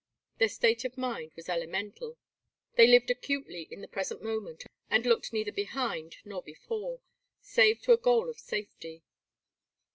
Their state of mind was elemental. They lived acutely in the present moment and looked neither behind nor before save to a goal of safety.